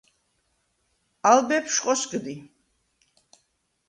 ალ ბეფშვ ხოსგდი.